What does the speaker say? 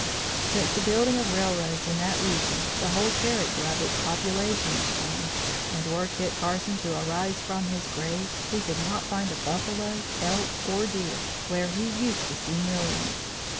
"Since the building of railroads in that region, the whole character of its population is changed, and were Kit Carson to arise from his grave, he could not find a buffalo, elk or deer, where he used to see millions.